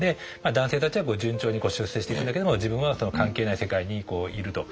男性たちは順調に出世していくんだけども自分は関係ない世界にいると。